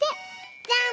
じゃん！